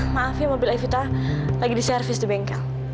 maaf ya mobil evita lagi di servis di bengkel